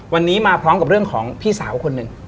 วันนี้มาพร้อมกับเรื่องของพี่สาวคนหนึ่ง